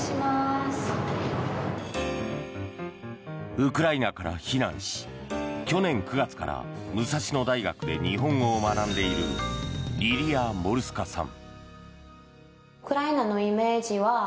ウクライナから避難し去年９月から武蔵野大学で日本語を学んでいるリリア・モルスカさん。